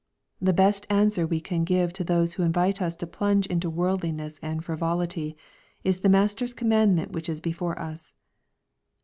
The best answer we can give to those who invite us to plunge into worldliness and frivolity, is the Master's commandment which is before us.